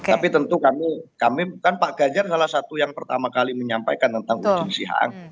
tapi tentu kami kami bukan pak gajar yang pertama kali menyampaikan tentang ujung sihang